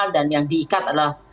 dan yang diikat adalah